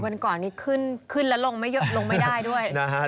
วันก่อนนี้ขึ้นแล้วลงไม่ได้ด้วย